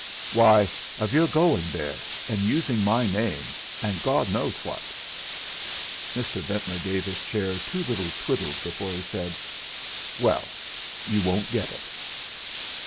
"Why, of your going there, and using my name, and God knows what." Mr. Ventnor gave his chair two little twiddles before he said "Well, you won't get it."